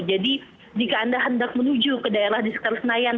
jadi jika anda hendak menuju ke daerah di sekitar senayan